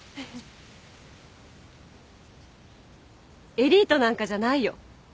エリートなんかじゃないよ。